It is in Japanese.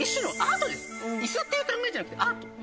椅子っていうためじゃなくてアート。